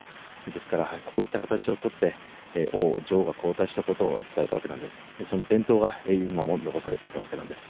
ですからこういった形をとって王、女王が交代したことを伝えたわけです。